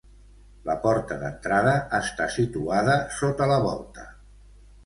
La porta d'entrada està situada sota la volta.